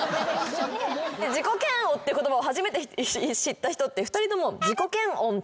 自己嫌悪って言葉を初めて知った人って２人とも。